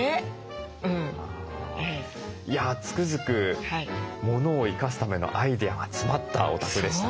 つくづくものを生かすためのアイデアが詰まったお宅でしたね。